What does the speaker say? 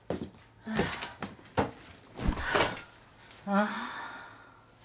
ああ。